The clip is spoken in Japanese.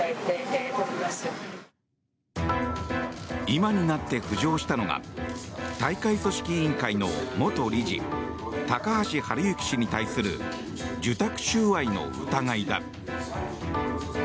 今になって浮上したのが大会組織委員会の元理事高橋治之氏に対する受託収賄の疑いだ。